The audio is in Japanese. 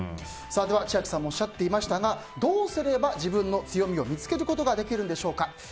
では、千秋さんもおっしゃっていましたがどうすれば自分の強みを見つけることができるんでしょうか。